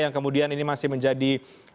yang kemudian ini masih menjadi